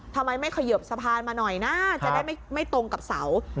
ทำไมไม่เขยิบสะพานมาหน่อยนะจะได้ไม่ตรงกับเสา